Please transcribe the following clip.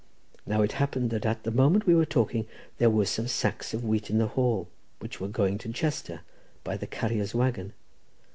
Now it happened that at the moment we were talking there were some sacks of wheat in the hall, which were going to Chester by the carrier's waggon.